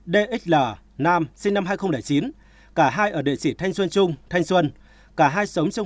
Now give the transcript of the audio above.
hai dxl nam sinh năm hai nghìn chín cả hai ở địa chỉ thanh xuân trung thanh xuân